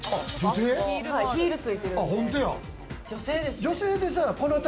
ヒールついてるんで。